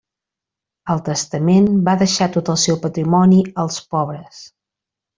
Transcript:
Al testament, va deixar tot el seu patrimoni als pobres.